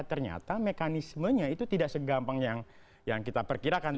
ternyata mekanismenya itu tidak segampang yang kita perkirakan